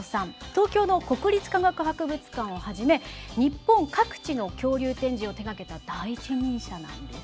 東京の国立科学博物館をはじめ日本各地の恐竜展示を手がけた第一人者なんです。